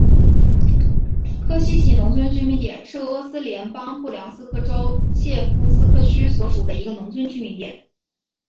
科西齐农村居民点是俄罗斯联邦布良斯克州谢夫斯克区所属的一个农村居民点。